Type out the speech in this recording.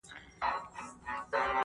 په دې لویه وداني کي توتکۍ وه -